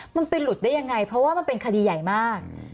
มันไปหลุดได้ยังไงเพราะว่ามันเป็นคดีใหญ่มาก